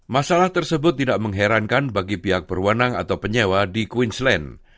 masalah tersebut tidak mengherankan bagi pihak perwanang atau penyewa di queensland